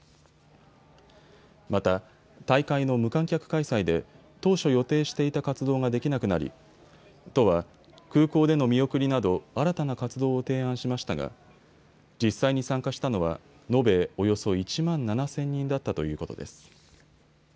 また、大会の無観客開催で当初、予定していた活動ができなくなり都は空港での見送りなど新たな活動を提案しましたが実際に参加したのは延べおよそ１万７０００人だったということです。